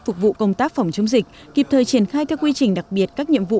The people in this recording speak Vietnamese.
phục vụ công tác phòng chống dịch kịp thời triển khai theo quy trình đặc biệt các nhiệm vụ